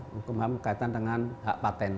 hukumham kaitan dengan hak patent